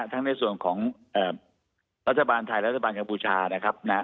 ในส่วนของรัฐบาลไทยรัฐบาลกัมพูชานะครับ